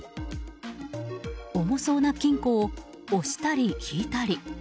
重そうな金庫を押したり、引いたり。